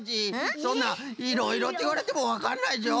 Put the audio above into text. そんないろいろっていわれてもわかんないぞ。